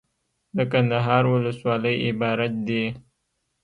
دکندهار ولسوالۍ عبارت دي.